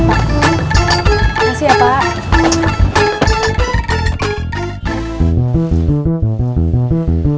makasih ya pak